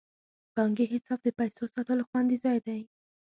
بانکي حساب د پیسو ساتلو خوندي ځای دی.